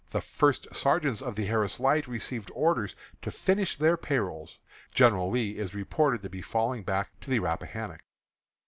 The first sergeants of the Harris Light have received orders to finish their pay rolls. General Lee is reported to be falling back to the Rappahannock.